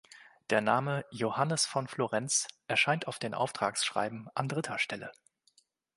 Der Name „Johannes von Florenz“ erscheint auf den Auftragsschreiben an dritter Stelle.